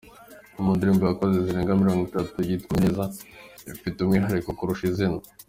Mu ndirimbo yakoze zirenga mirongo itatu, iyitwa ‘Menye neza’ ifite umwihariko kurusha izina.